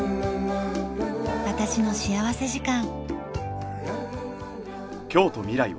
『私の幸福時間』。